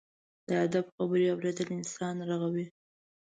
د ادب خبرې اورېدل انسان رغوي.